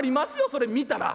それ見たら。